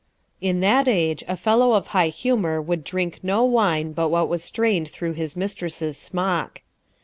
In that age, a fellow of high humour would drink no wine but what was strained through his mis tress's smock.